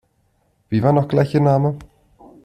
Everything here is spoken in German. Wie war noch gleich Ihr Name?